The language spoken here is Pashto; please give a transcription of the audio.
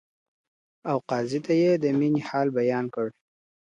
او قاضي ته یې د میني حال بیان کړ.